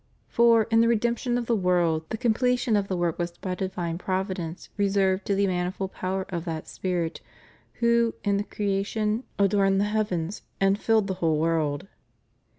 For, in the redemption of the world, the completion of the work was by divine Providence reserved to the manifold power of that Spirit who, in the creation, adorned the heavens ^ and filled the whole world?